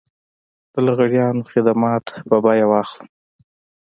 د لغړیانو خدمات په بيه واخلم.